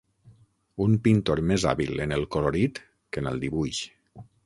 Un pintor més hàbil en el colorit que en el dibuix.